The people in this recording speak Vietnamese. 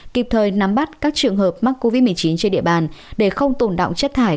kịp thời nắm bắt các trường hợp mắc covid một mươi chín trên địa bàn để không tồn động chất thải